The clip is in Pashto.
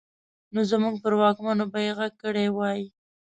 نو زموږ پر واکمنو به يې غږ کړی وای.